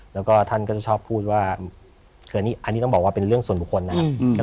แล้วก็ท่านก็จะชอบพูดว่าคืออันนี้ต้องบอกว่าเป็นเรื่องส่วนบุคคลนะครับ